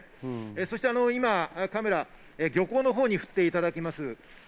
そして今、カメラを漁港のほうに振っていただきます。